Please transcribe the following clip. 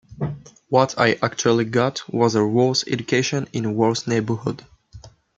What I actually got was a worse education in a worse neighborhood.